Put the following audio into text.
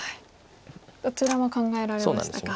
どちらも考えられましたか。